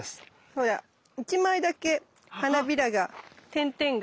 ほら１枚だけ花びらが点々が。